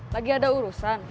lagi ada urusan